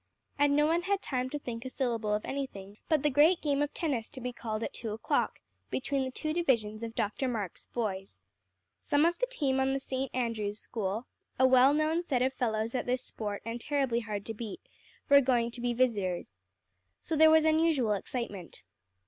And no one had time to think a syllable of anything but the great game of tennis to be called at two o'clock, between the two divisions of Dr. Marks' boys. Some of the team of the St. Andrew's School, a well known set of fellows at this sport and terribly hard to beat, were going to be visitors. So there was unusual excitement.